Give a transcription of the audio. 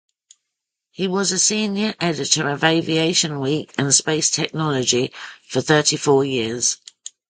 He was a senior editor of "Aviation Week and Space Technology" for thirty-four years.